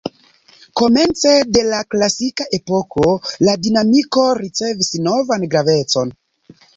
Komence de la klasika epoko la dinamiko ricevis novan gravecon.